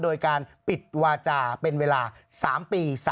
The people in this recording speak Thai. โดยการปิดวาจาเป็นเวลา๓ปี